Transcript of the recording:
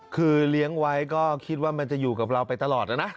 คือเลี้ยงไว้ก็คิดว่ามันจะอยู่กับเราไปตลอดนะนะ